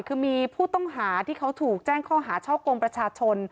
คือมีผู้ต้องหาที่เขาถูกแจ้งข้อหาช่อกงประชาชน